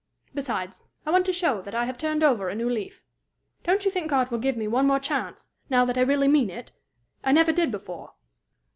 Besides, I want to show that I have turned over a new leaf. Don't you think God will give me one more chance, now that I really mean it? I never did before."